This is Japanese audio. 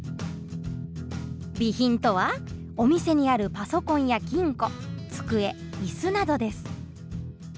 備品とはお店にあるパソコンや金庫机椅子などです。